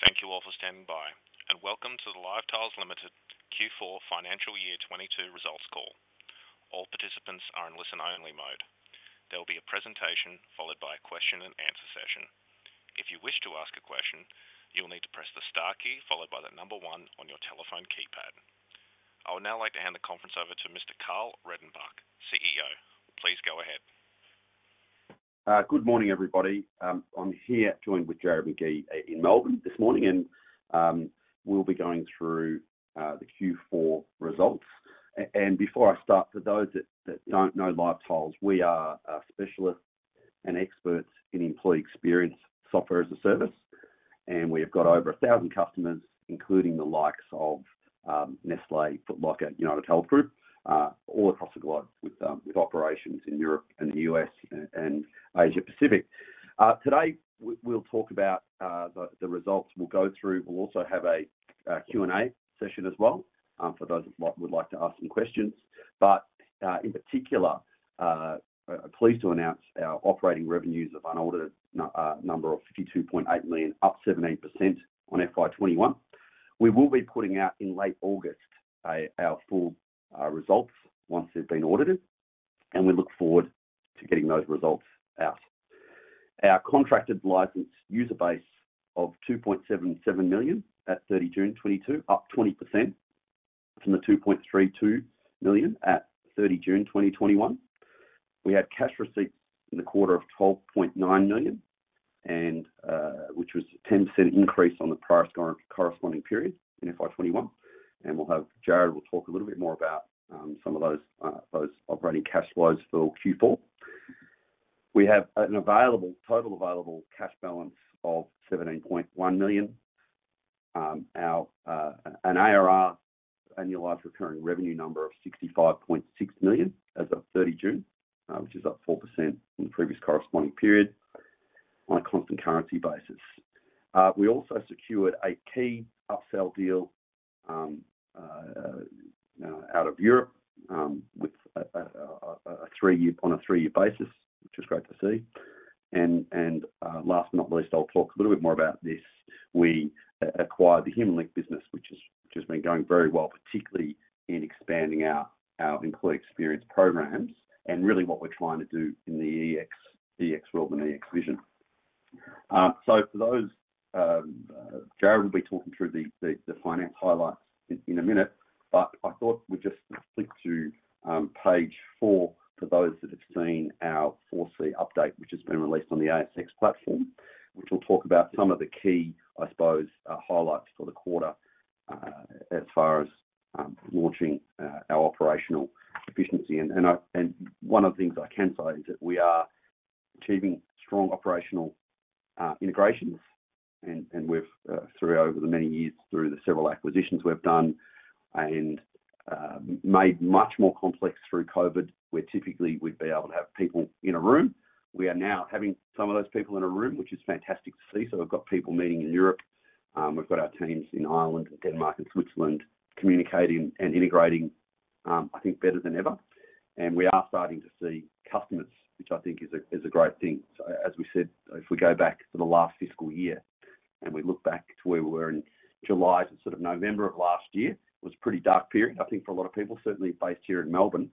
Thank you all for standing by, and welcome to the LiveTiles Limited Q4 Financial Year 2022 results call. All participants are in listen only mode. There will be a presentation followed by a question and answer session. If you wish to ask a question, you will need to press the star key followed by the number one on your telephone keypad. I would now like to hand the conference over to Mr. Karl Redenbach, CEO. Please go ahead. Good morning, everybody. I'm here joined with Jarrod Magee in Melbourne this morning, and we'll be going through the Q4 results. Before I start, for those that don't know LiveTiles, we are specialists and experts in employee experience software as a service, and we have got over a thousand customers, including the likes of Nestlé, Foot Locker, UnitedHealth Group, all across the globe with operations in Europe and the U.S. and Asia Pacific. Today we'll talk about the results we'll go through. We'll also have a Q&A session as well for those who would like to ask some questions. In particular, pleased to announce our operating revenues of unaudited number of 52.8 million, up 17% on FY 2021. We will be putting out in late August our full results once they've been audited, and we look forward to getting those results out. Our contracted licensed user base of 2.77 million at 30 June 2022, up 20% from the 2.32 million at 30 June 2021. We had cash receipts in the quarter of 12.9 million, which was a 10% increase on the prior corresponding period in FY 2021. We'll have Jarrod talk a little bit more about some of those operating cash flows for Q4. We have a total available cash balance of 17.1 million. Our ARR, annualized recurring revenue number of 65.6 million as of 30 June, which is up 4% from the previous corresponding period on a constant currency basis. We also secured a key upsell deal out of Europe with a three-year basis, which is great to see. Last but not least, I'll talk a little bit more about this. We acquired the Human Link business, which has been going very well, particularly in expanding our employee experience programs and really what we're trying to do in the EX world and EX vision. For those, Jarrod will be talking through the financial highlights in a minute, but I thought we'd just flip to page four for those that have seen our 4C update, which has been released on the ASX platform, which will talk about some of the key, I suppose, highlights for the quarter, as far as launching our operational efficiency. One of the things I can say is that we are achieving strong operational integrations and we've through over the many years, through the several acquisitions we've done and made much more complex through COVID, where typically we'd be able to have people in a room. We are now having some of those people in a room, which is fantastic to see. We've got people meeting in Europe. We've got our teams in Ireland and Denmark and Switzerland communicating and integrating, I think better than ever. We are starting to see customers, which I think is a great thing. As we said, if we go back to the last fiscal year and we look back to where we were in July to sort of November of last year, it was a pretty dark period, I think for a lot of people. Certainly based here in Melbourne,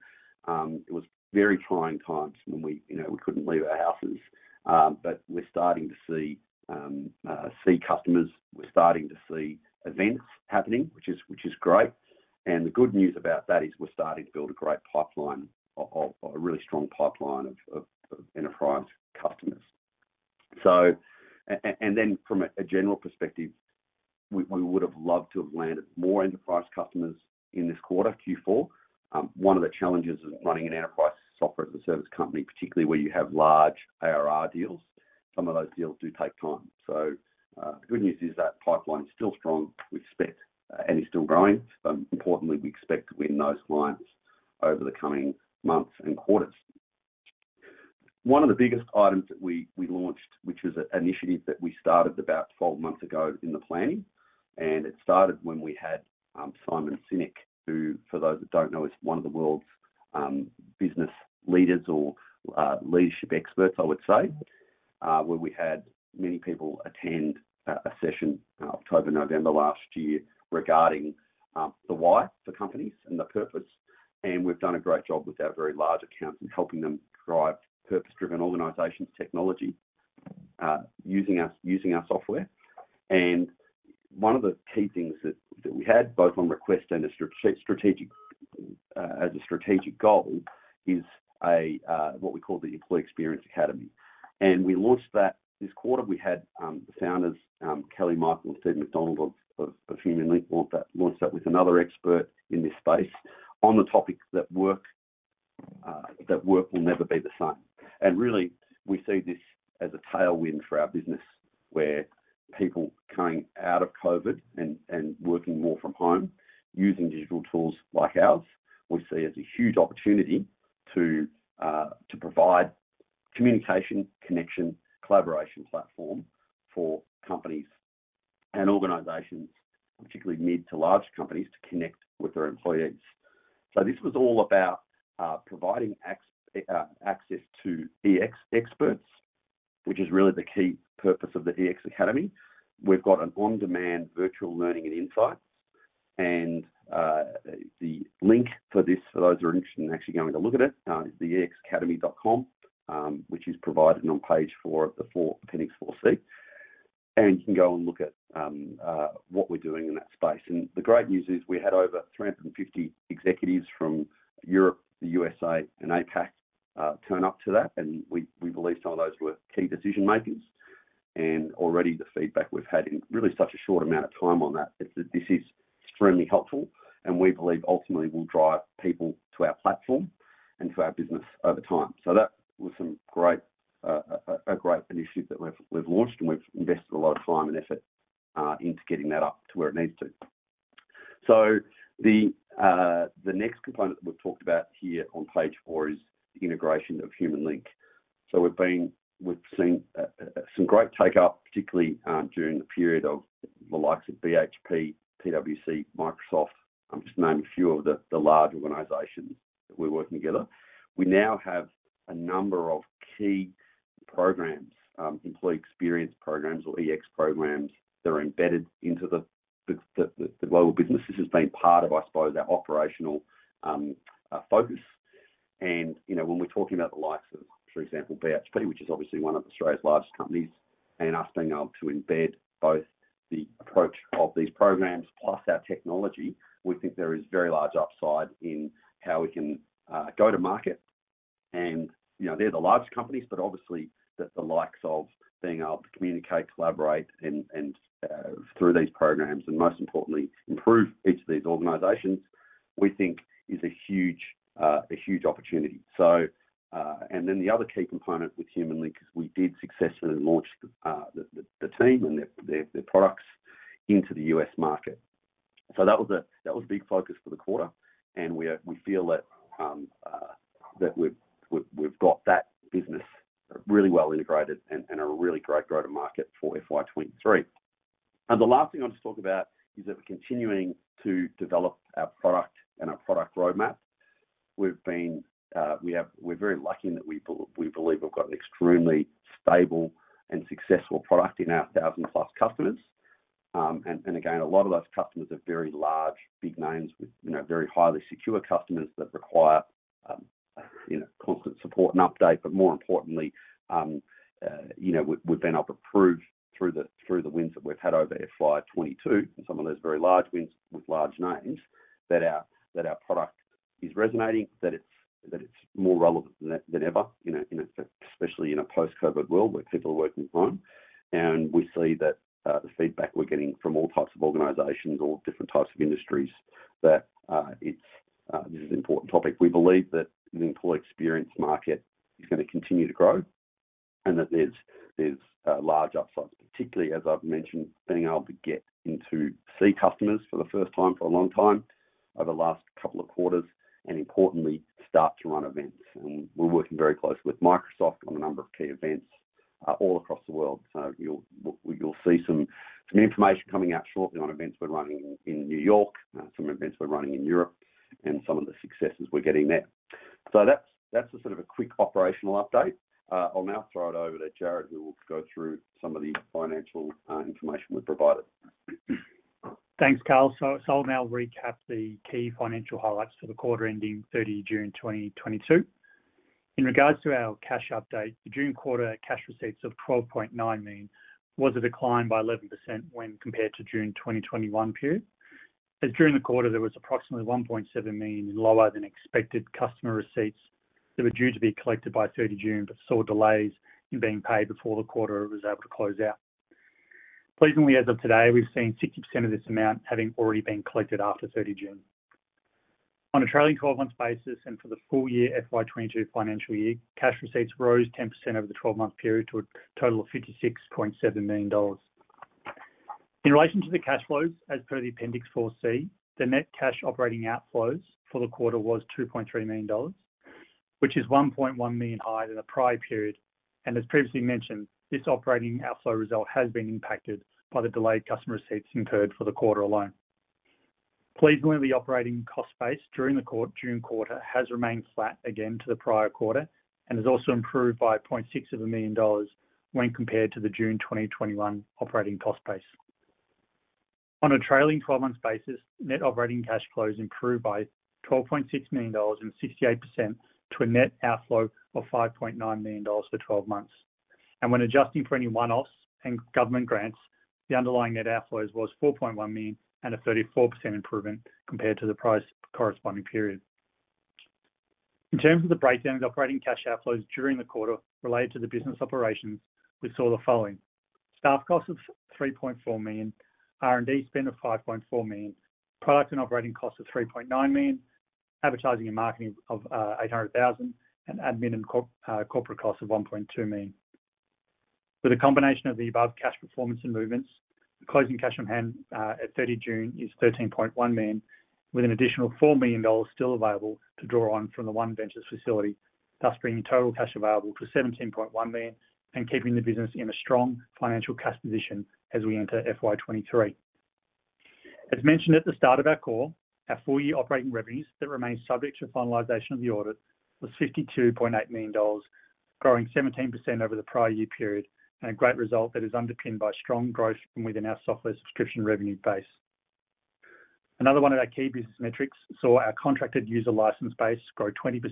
it was very trying times when we, you know, we couldn't leave our houses. We're starting to see customers, we're starting to see events happening, which is great. The good news about that is we're starting to build a great pipeline of a really strong pipeline of enterprise customers. From a general perspective, we would have loved to have landed more enterprise customers in this quarter, Q4. One of the challenges of running an enterprise software as a service company, particularly where you have large ARR deals, some of those deals do take time. The good news is that pipeline's still strong, we expect, and is still growing. Importantly, we expect to win those clients over the coming months and quarters. One of the biggest items that we launched, which was an initiative that we started about 12 months ago in the planning, and it started when we had Simon Sinek, who, for those that don't know, is one of the world's business leaders or leadership experts, I would say, where we had many people attend a session October, November last year regarding the why for companies and the purpose. We've done a great job with our very large accounts in helping them drive purpose-driven organizations technology using our software. One of the key things that we had both on request and as a strategic goal is what we call the Employee Experience Academy. We launched that this quarter. We had the founders Kelly Michael and Steve Macdonald of The Human Link launch that with another expert in this space on the topic that work will never be the same. Really, we see this as a tailwind for our business where people coming out of COVID and working more from home using digital tools like ours, we see as a huge opportunity to provide communication, connection, collaboration platform for companies and organizations, particularly mid to large companies, to connect with their employees. This was all about providing access to EX experts, which is really the key purpose of the EX Academy. We've got an on-demand virtual learning and insights and the link for this for those who are interested in actually going to look at it is exacademy.com, which is provided on page four of the Appendix 4C. You can go and look at what we're doing in that space. The great news is we had over 350 executives from Europe, the U.S.A. and APAC turn up to that. Some of those were key decision makers. Already the feedback we've had in really such a short amount of time on that is that this is extremely helpful and we believe ultimately will drive people to our platform and to our business over time. That was a great initiative that we've launched and we've invested a lot of time and effort into getting that up to where it needs to. The next component that we've talked about here on page four is the integration of Human Link. We've seen some great take up, particularly during the period of the likes of BHP, PwC, Microsoft. I'm just naming a few of the large organizations that we're working together. We now have a number of key programs, employee experience programs or EX programs that are embedded into the global business. This has been part of, I suppose, our operational focus. You know, when we're talking about the likes of, for example, BHP, which is obviously one of Australia's largest companies, and us being able to embed both the approach of these programs plus our technology, we think there is very large upside in how we can go to market. You know, they're the largest companies, but obviously the likes of being able to communicate, collaborate, and through these programs, and most importantly, improve each of these organizations, we think is a huge opportunity. The other key component with Human Link is we did successfully launch the team and their products into the U.S. market. That was a big focus for the quarter. We feel that we've got that business really well integrated and a really great go-to-market for FY 2023. The last thing I want to talk about is that we're continuing to develop our product and our product roadmap. We're very lucky in that we believe we've got an extremely stable and successful product in our 1,000+ customers. And again, a lot of those customers are very large, big names with, you know, very highly secure customers that require, you know, constant support and update. More importantly, you know, we've been able to prove through the wins that we've had over FY 2022 and some of those very large wins with large names that our product is resonating, that it's more relevant than ever, you know, especially in a post-COVID world where people are working from home. We see that the feedback we're getting from all types of organizations, all different types of industries, that it's this is an important topic. We believe that the employee experience market is gonna continue to grow and that there's large upsides, particularly, as I've mentioned, being able to get in to see customers for the first time for a long time over the last couple of quarters, and importantly, start to run events. We're working very closely with Microsoft on a number of key events all across the world. You'll see some information coming out shortly on events we're running in New York, some events we're running in Europe, and some of the successes we're getting there. That's a sort of a quick operational update. I'll now throw it over to Jarrod, who will go through some of the financial information we've provided. Thanks, Karl. I'll now recap the key financial highlights for the quarter ending 30 June 2022. In regards to our cash update, the June quarter cash receipts of 12.9 million was a decline by 11% when compared to June 2021 period. As during the quarter, there was approximately 1.7 million lower than expected customer receipts that were due to be collected by 30 June, but saw delays in being paid before the quarter was able to close out. Pleasingly, as of today, we've seen 60% of this amount having already been collected after 30 June. On a trailing twelve months basis, and for the full year FY 2022 financial year, cash receipts rose 10% over the twelve-month period to a total of 56.7 million dollars. In relation to the cash flows, as per the Appendix 4C, the net cash operating outflows for the quarter was 2.3 million dollars, which is 1.1 million higher than the prior period. As previously mentioned, this operating outflow result has been impacted by the delayed customer receipts incurred for the quarter alone. Pleasingly, the operating cost base during the June quarter has remained flat again to the prior quarter and has also improved by 0.6 million dollars when compared to the June 2021 operating cost base. On a trailing 12 months basis, net operating cash flows improved by 12.6 million dollars and 68% to a net outflow of 5.9 million dollars for 12 months. When adjusting for any one-offs and government grants, the underlying net outflows was 4.1 million and a 34% improvement compared to the prior corresponding period. In terms of the breakdown of operating cash outflows during the quarter related to the business operations, we saw the following. Staff costs of 3.4 million, R&D spend of 5.4 million, product and operating costs of 3.9 million, advertising and marketing of 800,000, and admin and corporate costs of 1.2 million. With a combination of the above cash performance and movements, the closing cash on hand at 30 June is 13.1 million, with an additional 4 million dollars still available to draw on from the OneVentures facility. Thus bringing total cash available to 17.1 million and keeping the business in a strong financial cash position as we enter FY 2023. As mentioned at the start of our call, our full year operating revenues that remain subject to finalization of the audit was 52.8 million dollars, growing 17% over the prior year period and a great result that is underpinned by strong growth from within our software subscription revenue base. Another one of our key business metrics saw our contracted user license base grow 20%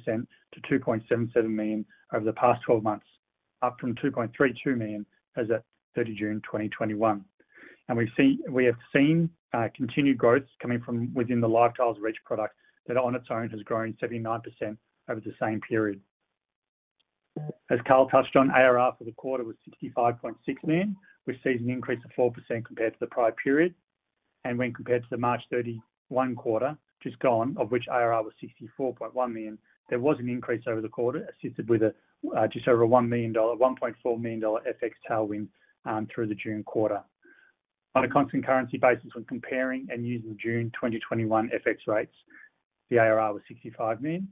to 2.77 million over the past 12 months, up from 2.32 million as at 30 June 2021. We have seen continued growth coming from within the LiveTiles Reach product that on its own has grown 79% over the same period. As Karl touched on, ARR for the quarter was 65.6 million. We've seen an increase of 4% compared to the prior period. When compared to the March 31 quarter, just gone, of which ARR was 64.1 million, there was an increase over the quarter, assisted with just over 1.4 million dollar FX tailwind through the June quarter. On a constant currency basis when comparing and using June 2021 FX rates, the ARR was 65 million.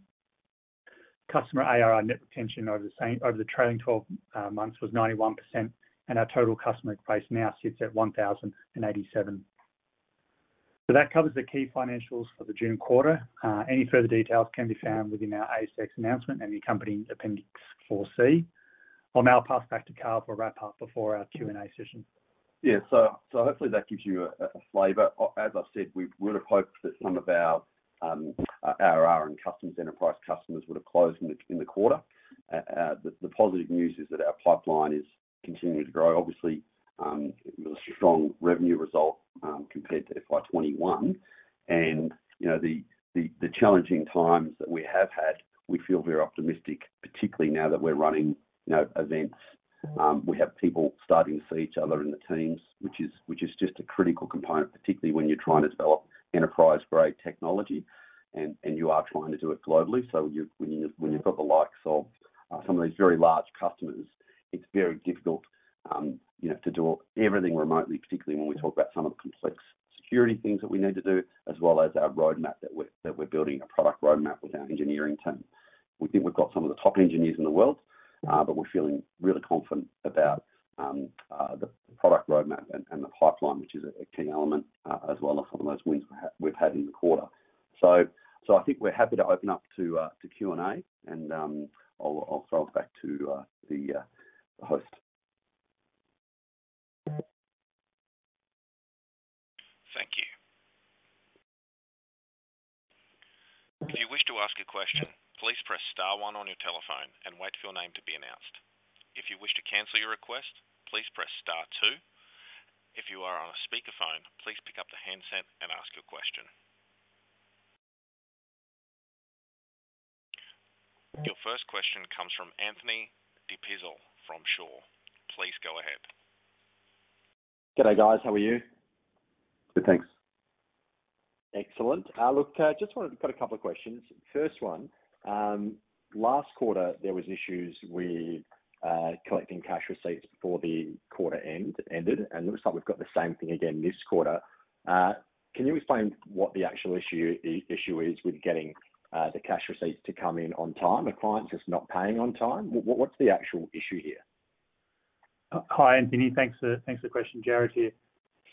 Customer ARR net retention over the trailing 12 months was 91%, and our total customer base now sits at 1,087. That covers the key financials for the June quarter. Any further details can be found within our ASX announcement and the accompanying Appendix 4C. I'll now pass back to Karl for a wrap-up before our Q&A session. Yeah. Hopefully that gives you a flavor. As I've said, we would have hoped that some of our ARR and custom enterprise customers would have closed in the quarter. The positive news is that our pipeline is continuing to grow. Obviously, with a strong revenue result compared to FY 2021 and, you know, the challenging times that we have had, we feel very optimistic, particularly now that we're running, you know, events. We have people starting to see each other in Teams, which is just a critical component, particularly when you're trying to develop enterprise-grade technology and you are trying to do it globally. When you've got the likes of some of these very large customers, it's very difficult, you know, to do everything remotely, particularly when we talk about some of the complex security things that we need to do, as well as our roadmap that we're building a product roadmap with our engineering team. We think we've got some of the top engineers in the world, but we're feeling really confident about the product roadmap and the pipeline, which is a key element, as well as some of those wins we've had in the quarter. I think we're happy to open up to Q&A and I'll throw it back to the host. Thank you. If you wish to ask a question, please press star one on your telephone and wait for your name to be announced. If you wish to cancel your request, please press star two. If you are on a speakerphone, please pick up the handset and ask your question. Your first question comes from Anthony De Pizzol from Shaw. Please go ahead. Good day, guys. How are you? Good, thanks. Excellent. Look, just wanted to put a couple of questions. First one, last quarter there was issues with collecting cash receipts before the quarter end, and it looks like we've got the same thing again this quarter. Can you explain what the actual issue is with getting the cash receipts to come in on time? Are clients just not paying on time? What's the actual issue here? Hi, Anthony. Thanks for the question. Jarrod here.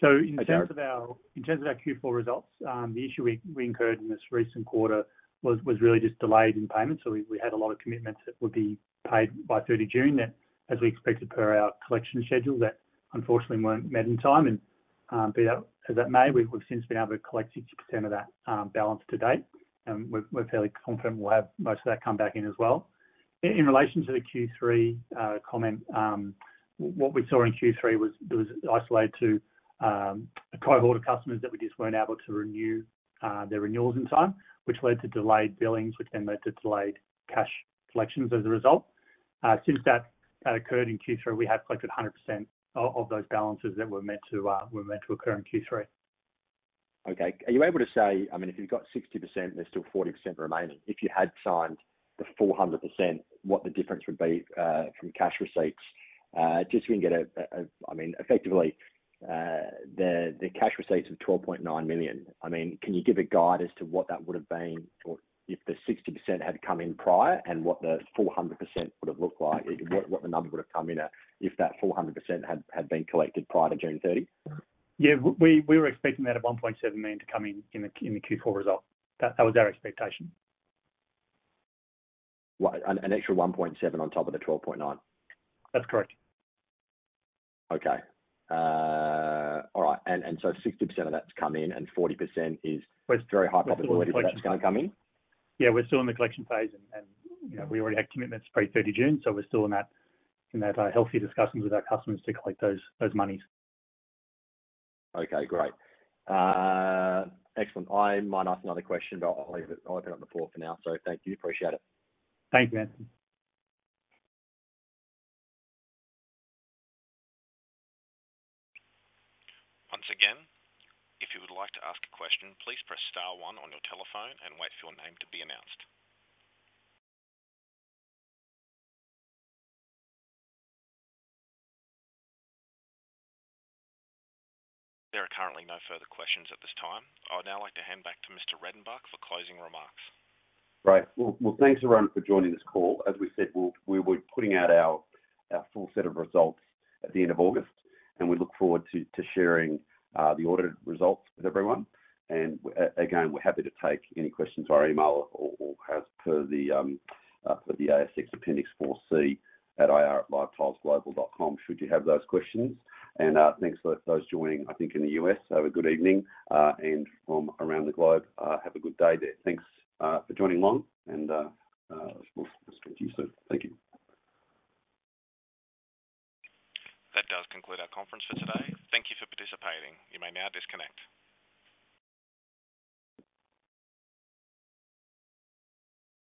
Hi, Jarrod. In terms of our Q4 results, the issue we incurred in this recent quarter was really just delayed in payment. We had a lot of commitments that would be paid by 30 June that, as we expected per our collection schedule, unfortunately weren't met in time. Be that as it may, we've since been able to collect 60% of that balance to date, and we're fairly confident we'll have most of that come back in as well. In relation to the Q3 comment, what we saw in Q3 was isolated to a cohort of customers that we just weren't able to renew their renewals in time, which led to delayed billings, which then led to delayed cash collections as a result. Since that occurred in Q3, we have collected 100% of those balances that were meant to occur in Q3. Okay. Are you able to say, I mean, if you've got 60% there's still 40% remaining. If you had signed the 400%, what the difference would be from cash receipts, just so we can get a. I mean, effectively, the cash receipts of 12.9 million. I mean, can you give a guide as to what that would have been or if the 60% had come in prior and what the 400% would have looked like, what the number would have come in at if that 400% had been collected prior to June 30? Yeah. We were expecting that at 1.7 million to come in in the Q4 results. That was our expectation. What? An extra 1.7 million on top of the 12.9 million? That's correct. 60% of that's come in and 40% is- We're still- Very high probability that's gonna come in. Yeah, we're still in the collection phase and, you know, we already had commitments pre-30 June, so we're still in that healthy discussions with our customers to collect those monies. Okay, great. Excellent. I might ask another question, but I'll leave it. I'll open up the floor for now. Thank you. Appreciate it. Thanks, Anthony. Once again, if you would like to ask a question, please press star one on your telephone and wait for your name to be announced. There are currently no further questions at this time. I'd now like to hand back to Mr. Redenbach for closing remarks. Great. Well, thanks everyone for joining this call. As we said, we'll be putting out our full set of results at the end of August, and we look forward to sharing the audited results with everyone. Again, we're happy to take any questions via email or as per the ASX Appendix 4C at ir@livetilesglobal.com should you have those questions. Thanks for those joining, I think in the U.S., have a good evening. From around the globe, have a good day there. Thanks for joining along and we'll speak to you soon. Thank you. That does conclude our conference for today. Thank you for participating. You may now disconnect.